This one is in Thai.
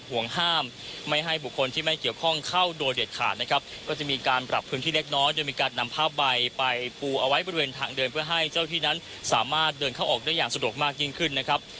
ไว้บริเวณทางเดินเพื่อให้เจ้าที่นั้นสามารถเดินเข้าออกได้อย่างสะดวกมากยิ่งขึ้นนะครับ